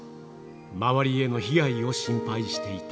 周りへの被害を心配していた。